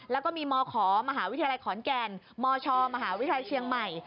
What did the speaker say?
แล้วก็มีมขมหาวิทยาลัยขอนแก่นมชมหาวิทยาลัยเชียงใหม่